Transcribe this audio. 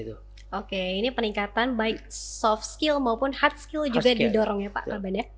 oke ini peningkatan baik soft skill maupun hard skill juga didorong ya pak kaban ya